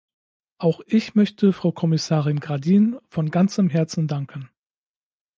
Auch ich möchte Frau Kommissarin Gradin von ganzem Herzen danken.